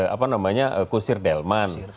apa namanya kusir delman